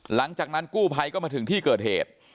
หลังจากนั้นกู้ภัยก็มาถึงที่เกิดเหตุ